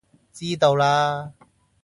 知道啦